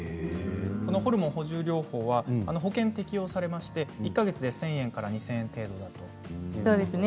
ホルモン補充療法は保険適用で１か月１０００円から２０００円程度だということです。